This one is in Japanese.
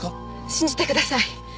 信じてください。